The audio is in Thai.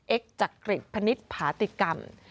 เอ็กซ์จักริกพณิชย์ผาติกรรม